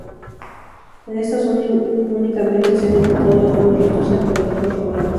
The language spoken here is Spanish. En esta zona únicamente se han encontrado algunos restos arqueológicos romanos.